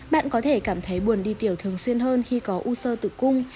bạn có thể cảm thấy buồn đi tiểu thường xuyên hơn khi có u sơ tử cung